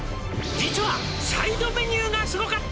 「実はサイドメニューがスゴかった！」